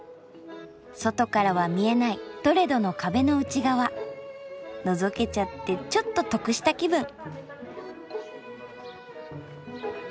外からは見えないトレドの壁の内側のぞけちゃってちょっと得した気分。